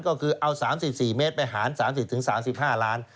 ก็คือเอา๓๔เมตรไปหาร๓๐๓๕ล้าน